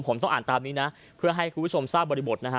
ผมต้องอ่านตามนี้นะเพื่อให้คุณผู้ชมทราบบริบทนะฮะ